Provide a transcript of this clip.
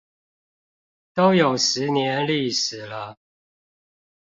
都有十年歷史了